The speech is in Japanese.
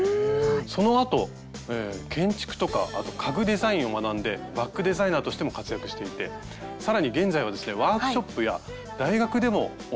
そのあと建築とか家具デザインを学んでバッグデザイナーとしても活躍していて更に現在はですねワークショップや大学でも教えているんですよね。